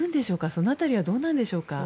その辺りはどうなんでしょうか？